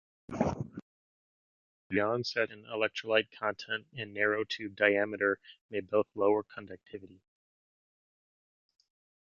Beyond-saturation electrolyte content and narrow tube diameter may both lower conductivity.